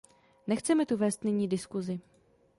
Nechceme tu vést nyní diskusi.